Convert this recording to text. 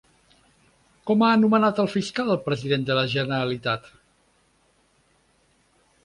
Com ha anomenat el fiscal al president de la generalitat?